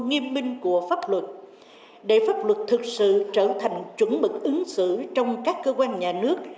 nghiêm minh của pháp luật để pháp luật thực sự trở thành chuẩn mực ứng xử trong các cơ quan nhà nước